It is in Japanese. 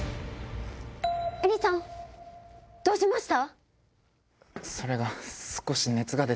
恵理さん？どうしました